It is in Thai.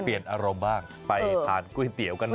ไปเปลี่ยนอารมณ์บ้างไปทานกุ้ยเตี๋ยวกันนอน